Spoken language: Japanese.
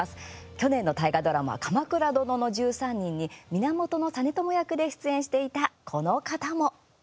去年の大河ドラマ「鎌倉殿の１３人」に源実朝役で出演していたこの方も。